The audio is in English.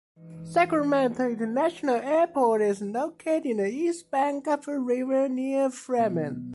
Sacramento International Airport is located on the east bank of the river near Fremont.